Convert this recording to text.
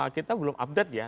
kita belum update ya